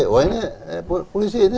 wah ini polisi